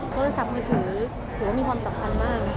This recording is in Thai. โทรศัพท์มือถือถือว่ามีความสำคัญมากนะคะ